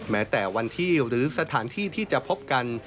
แม้แต่วันที่หรือสถานที่ที่จะพบกัน